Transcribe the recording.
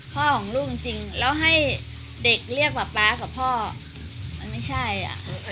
ของลูกจริงแล้วให้เด็กเรียกป๊าป๊ากับพ่อมันไม่ใช่อ่ะ